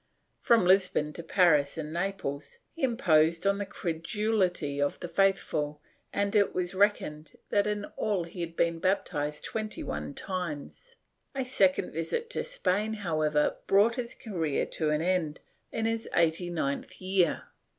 From Lisbon to Paris and Naples, he imposed on the credulity of the faithful, and it was reckoned that in all he had been baptized twenty one times. A second visit to Spain, however, brought his career to an end in his eighty ninth year.